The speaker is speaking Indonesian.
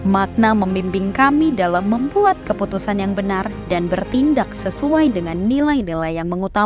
makna membimbing kami dalam membuat keputusan yang benar dan bertindak sesuai dengan nilai nilai yang mengutamakan